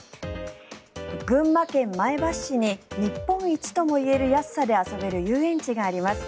群馬県前橋市に日本一ともいえる安さで遊べる遊園地があります。